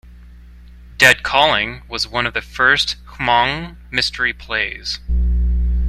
"Dead Calling" was one of the first Hmong mystery plays.